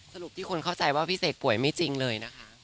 สรุปที่คนเข้าใจว่าพี่เสกป่วยไม่จริงเลยนะคะ